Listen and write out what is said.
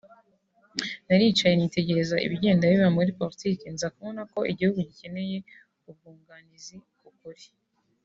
naricaye nitegereza ibigenda biba muri politike nza kubona ko igihugu gikeneye ubwunganizi ku kuri